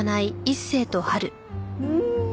うん！